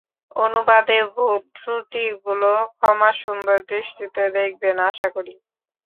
অনুবাদে ভুল ত্রুটিগুলো ক্ষমাসুন্দর দৃষ্টিতে দেখবেন, আশাকরি।